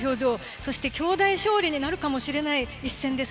そして大勝利になるかもしれない一戦です。